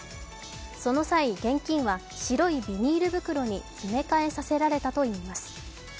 その際、現金は白いビニール袋に詰め替えさせられたといいます。